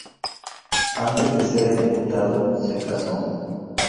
Antes de ser ejecutado, se casó.